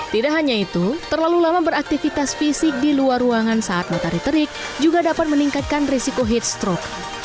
tidak hanya itu terlalu lama beraktivitas fisik di luar ruangan saat matahari terik juga dapat meningkatkan risiko heat stroke